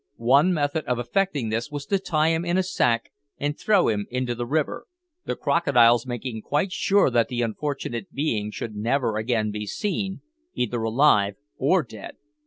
One method of effecting this was to tie him in a sack and throw him into the river, the crocodiles making quite sure that the unfortunate being should never again be seen, either alive or dead.